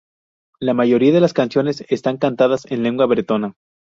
La mayoría de las canciones están cantadas en lengua bretona.